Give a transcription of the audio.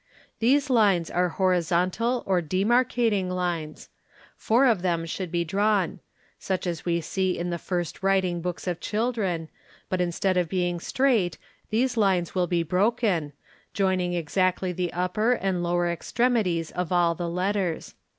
'These lines are horizontal or demarcating lines: four of them ould be drawn, such as we see in the first writing books of children, i instead of being straight these lines will be broken (Fig. 8) joining actly the upper and lower extremities of all the letters.